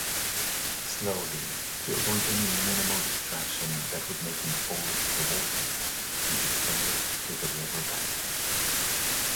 Slowly, to avoid any minimal distraction that would make him fall into the water, he descended to the riverbank.